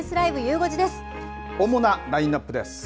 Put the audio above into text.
主なラインナップです。